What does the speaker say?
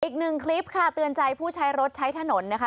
อีกหนึ่งคลิปค่ะเตือนใจผู้ใช้รถใช้ถนนนะคะ